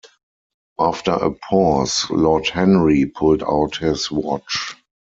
After a pause, Lord Henry pulled out his watch.